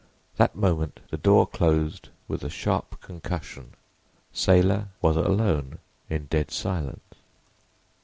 That moment the door closed with a sharp concussion. Saylor was alone, in dead silence.